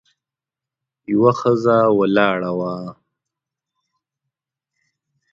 یوه ښځه ولاړه وه.